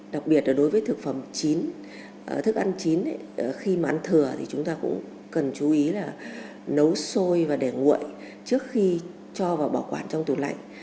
đặc biệt là đối với thực phẩm chín thức ăn chín khi mà ăn thừa thì chúng ta cũng cần chú ý là nấu xôi và để nguội trước khi cho vào bảo quản trong tủ lạnh